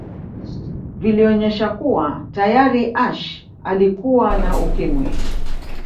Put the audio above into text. vilionesha kuwa tayari Ashe alikuwa na Ukimwi